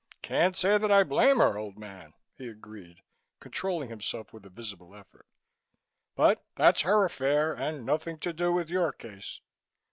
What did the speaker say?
"Can't say that I blame her, old man," he agreed, controlling himself with a visible effort, "but that's her affair and nothing to do with your case."